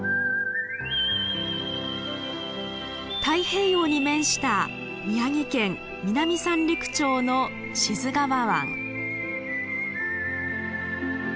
太平洋に面した宮城県南三陸町の志津川湾。